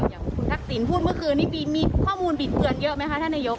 อย่างคุณทักษิณพูดเมื่อคืนนี้มีข้อมูลบิดเบือนเยอะไหมคะท่านนายก